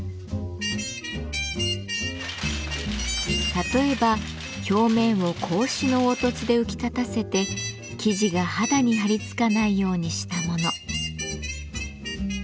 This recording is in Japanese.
例えば表面を格子の凹凸で浮き立たせて生地が肌にはりつかないようにしたもの。